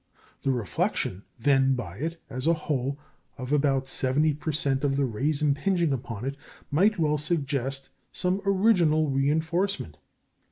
The reflection, then, by it, as a whole, of about 70 per cent. of the rays impinging upon it, might well suggest some original reinforcement.